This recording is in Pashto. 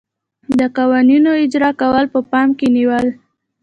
د قوانینو اجرا کول په پام کې نیول.